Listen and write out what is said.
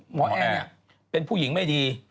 แอร์เป็นผู้หญิงไม่ดี